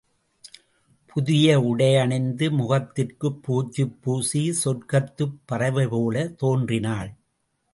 புதிய உடையணிந்து முகத்திற்குப் பூச்சுப்பூசி, சொர்க்கத்துப் பறவைபோலத் தோன்றினாள்.